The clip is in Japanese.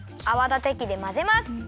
あわだてきでまぜます。